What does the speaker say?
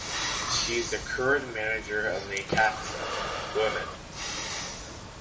She is the current manager of Necaxa (women).